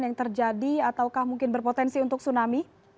yang terjadi ataukah mungkin berpotensi untuk tsunami